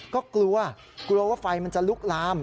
ก็กลัวกลัวว่าไฟมันจะลุกลาม